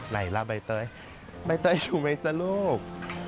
ไหนล่ะใบเตยใบเตยอยู่ไหมจ๊ะลูก